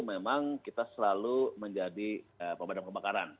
memang kita selalu menjadi pembayaran pembakaran